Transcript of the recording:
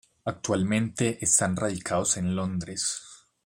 Actualmente están radicados en Londres.